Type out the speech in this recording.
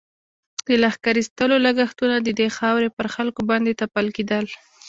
د لښکر ایستلو لږښتونه د دې خاورې پر خلکو باندې تپل کېدل.